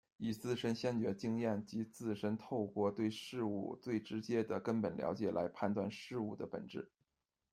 以自身先决经验，及自身透过对事物最直接的根本了解，来判断事物的本质。